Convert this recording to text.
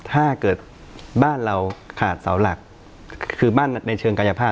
ถ้าเกิดบ้านเราขาดเสาหลักคือบ้านในเชิงกายภาพ